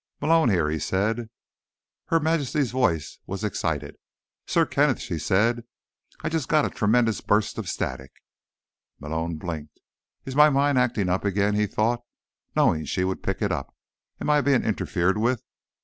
"Malone here," he said. Her Majesty's voice was excited. "Sir Kenneth!" she said. "I just got a tremendous burst of static!" Malone blinked. Is my mind acting up again? he thought, knowing she would pick it up. _Am I being interfered with?